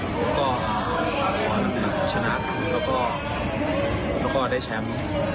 เพราะว่าทีมชาติไทยอยู่ตรงเนี่ยใครเล่นก็ชนะแล้วก็ได้แชมป์